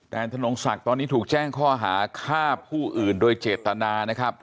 เนี่ยตอนนี้ถูกแจ้งห้อหาข้าพู่อื่นโดยเจตนานะครับ